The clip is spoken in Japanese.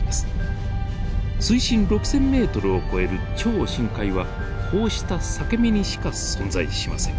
水深６，０００ｍを超える超深海はこうした裂け目にしか存在しません。